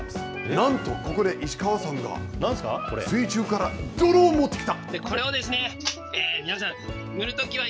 なんと、ここで石川さんが、水中から泥を持ってきた。